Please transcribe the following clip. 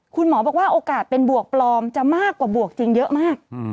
คุณหมอบอกว่าโอกาสเป็นบวกปลอมจะมากกว่าบวกจริงเยอะมาก